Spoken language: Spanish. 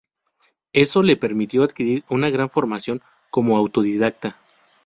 Eso le permitió adquirir una gran formación como autodidacta.